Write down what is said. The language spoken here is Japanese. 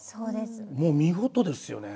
もう見事ですよね。